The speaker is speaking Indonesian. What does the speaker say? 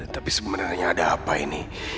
tapi sebenarnya ada apa ini